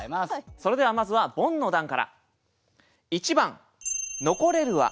それではまずはボンの段から。